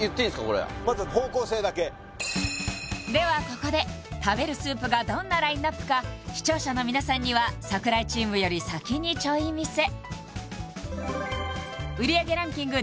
これまずは方向性だけではここで食べるスープがどんなラインナップか視聴者の皆さんには櫻井チームより先にちょい見せ売り上げランキング